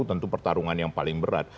tentu pertarungan yang paling berat